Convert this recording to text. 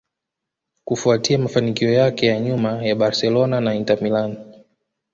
kufuatia mafanikio yake ya nyuma ya Barcelona na Inter Milan